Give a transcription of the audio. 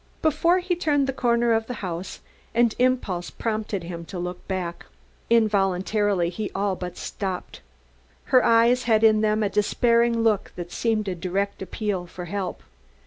Before he turned the corner of the house an impulse prompted him to look back. Involuntarily he all but stopped. Her eyes had in them a despairing look that seemed a direct appeal for help.